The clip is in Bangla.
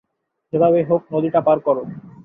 যেভাবেই হোক, নদীটা পার কর।